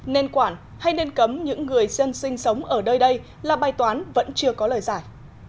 nên quản hay nên cấm những người dân sinh sống ở đây đây là bài toán vẫn chưa có lời giải